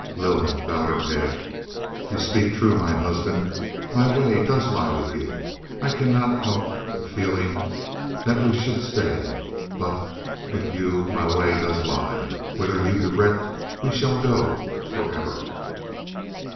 Lylda bowed her head. "You speak true, my husband, my way does lie with you. I cannot help the feeling that we should stay. But with you my way does lie; whither you direct, we shall go for ever."